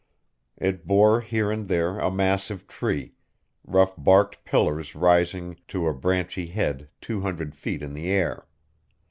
It bore here and there a massive tree, rough barked pillars rising to a branchy head two hundred feet in the air.